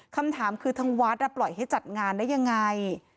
คำถามคือทางวัดปล่อยให้จัดงานได้ยังไง